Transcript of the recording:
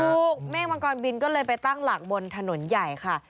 เมฆมังกรบินก็เลยไปตั้งหลักบนถนนใหญ่ค่ะ